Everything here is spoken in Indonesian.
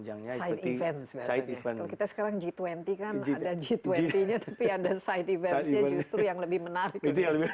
kalau kita sekarang g dua puluh kan ada g dua puluh nya tapi ada side events nya justru yang lebih menarik